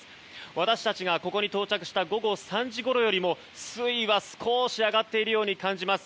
私たちがここに到着した午後３時ごろよりも水位は少し上がっているように感じます。